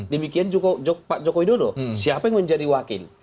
demikian juga pak jokowi dodo siapa yang menjadi wakil